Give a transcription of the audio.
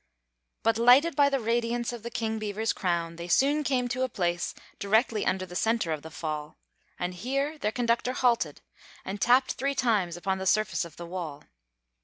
But, lighted by the radiance of the King Beaver's crown, they soon came to a place directly under the center of the fall, and here their conductor halted and tapped three times upon the surface of the wall.